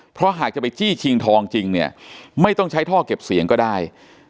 เพราะหากจะไปจี้ชิงทองจริงเนี่ยไม่ต้องใช้ท่อเก็บเสียงก็ได้